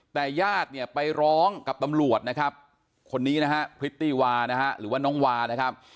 แต่ญาติเนี่ยไปร้องกับตำรวชนะครับคนนี้นะฮะน้องวานะฮะ